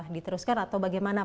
diteruskan atau bagaimana